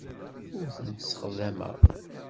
Ur tent-ssexdameɣ.